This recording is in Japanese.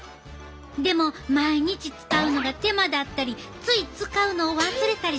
でも毎日使うのが手間だったりつい使うのを忘れたりしがちなんよね。